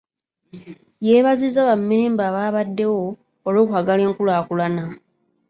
Yeebazizza bammemba abaabaddewo olw'okwagala enkulaakulana.